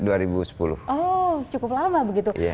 oh cukup lama begitu